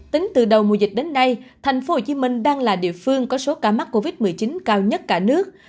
tính từ đầu mùa dịch đến nay thành phố hồ chí minh đang là địa phương có số ca mắc covid một mươi chín cao nhất cả nước